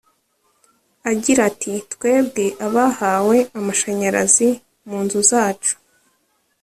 Agira ati “Twebwe abahawe amashanyarazi mu nzu zacu